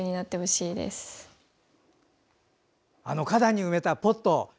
花壇に植えたポット